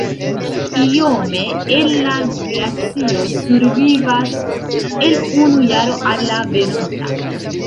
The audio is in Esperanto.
Iome el la glacio survivas el unu jaro al la venonta.